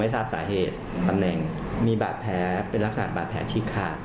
ไม่รู้สาเหตุแปมแหนนซึ้งเป็นแผลฉีกขาด